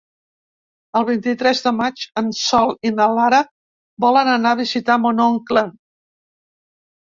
El vint-i-tres de maig en Sol i na Lara volen anar a visitar mon oncle.